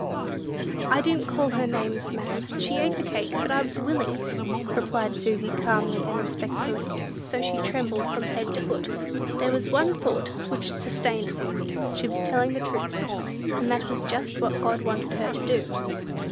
"I didn't call her names, ma'am; she ate the cake, but I was willing," replied Susy, calmly and respectfully, though she trembled from head to foot. There was one thought which sustained Susy; she was telling the truth, and that was just what God wanted her to do.